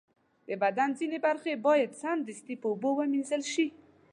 د بدن ځینې برخې باید سمدستي په اوبو ومینځل شي.